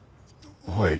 はい。